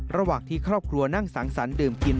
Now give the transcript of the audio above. ระหว่างที่ครอบครัวนั่งสังสรรค์ดื่มกิน